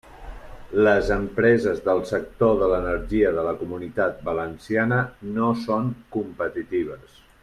Les empreses del sector de l'energia de la Comunitat Valenciana no són competitives.